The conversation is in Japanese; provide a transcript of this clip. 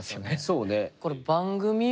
そうね。